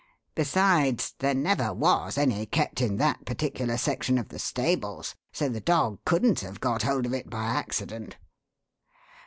Besides, there never was any kept in that particular section of the stables, so the dog couldn't have got hold of it by accident.